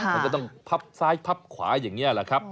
มันก็ต้องพับซ้ายพับขวาอย่างนี้แหละครับ